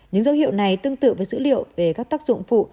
những dấu hiệu này tương tự với dữ liệu về các tác dụng phụ